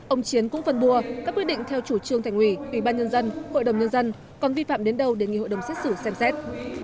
ông chiến cũng phân bua các quyết định theo chủ trương thành ủy ủy ban nhân dân hội đồng nhân dân còn vi phạm đến đâu để nghị hội đồng xét xử xem xét